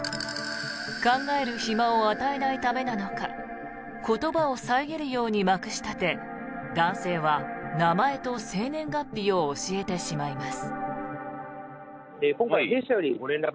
考える暇を与えないためなのか言葉を遮るようにまくし立て男性は名前と生年月日を教えてしまいます。